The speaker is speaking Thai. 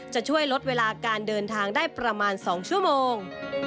จะช่วยลดเวลาการเดินทางได้ประมาณ๒ชั่วโมง